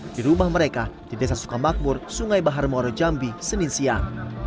di rumah mereka di desa sukamakbur sungai bahar muarajambi senin siang